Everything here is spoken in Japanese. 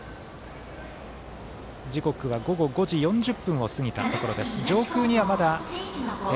時刻は午後５時４０分を過ぎたところです。